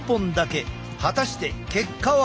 果たして結果は。